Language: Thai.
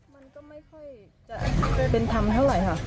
มันก็ไม่ค่อยจะเป็นธรรมเท่าไหร่ค่ะ